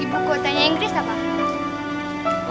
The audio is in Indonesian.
ibu kuotanya inggris apa